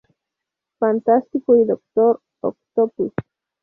Fantástico y Doctor Octopus.